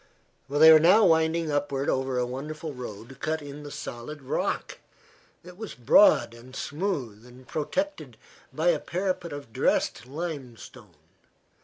They were now winding upward over a wonderful road cut in the solid rock. It was broad and smooth and protected by a parapet of dressed limestone.